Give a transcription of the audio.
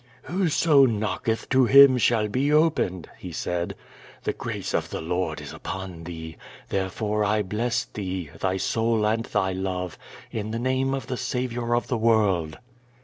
"Who so knocketh, to him shall be opened," he said. "The grace of the Lord is upon thee. Therefore, I bless thee, thy soul and thy love, in the name of the Saviour of the world."